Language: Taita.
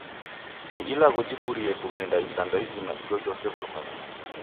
Ni ilagho jikurie kughenda isanga izima ijojose w'urumwengunyi